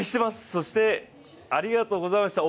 そして、ありがとうございました。